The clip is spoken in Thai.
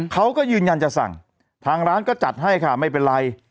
เขาก็ยืนยันจะสั่งทางร้านก็จัดให้ค่ะไม่เป็นไร